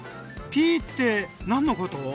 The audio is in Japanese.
「ピー」って何のこと？